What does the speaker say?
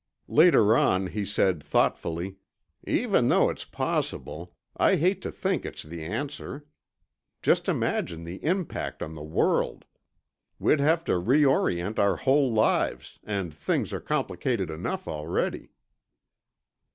Later on, he said thoughtfully, "Even though it's possible, I hate to think it's the answer. just imagine the impact on the world. We'd have to reorient our whole lives—and things are complicated enough already."